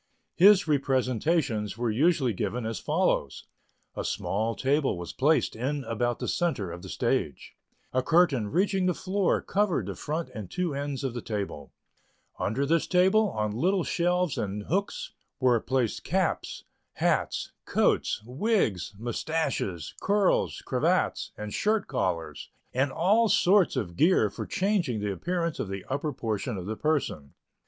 His representations were usually given as follows: A small table was placed in about the centre of the stage; a curtain reaching to the floor covered the front and two ends of the table; under this table, on little shelves and hooks, were placed caps, hats, coats, wigs, moustaches, curls, cravats, and shirt collars, and all sorts of gear for changing the appearance of the upper portion of the person.